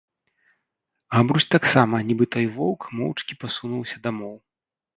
Габрусь таксама, нiбы той воўк, моўчкi пасунуўся дамоў.